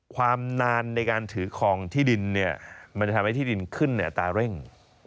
ความนานในการถือคลองที่ดินมันจะทำให้ที่ดินขึ้นอัตราเร่ง